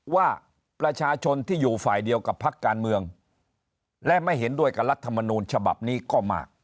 ว่าประชาชนที่อยู่ฝ่ายเดียวกับพักการเมืองและไม่เห็นด้วยกับรัฐมนูลฉบับนี้ก็มาก